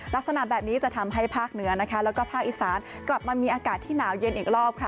ลักษณะแบบนี้จะทำให้ภาคเหนือนะคะแล้วก็ภาคอีสานกลับมามีอากาศที่หนาวเย็นอีกรอบค่ะ